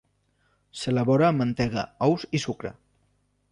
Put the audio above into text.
S'elabora amb mantega, ous i sucre.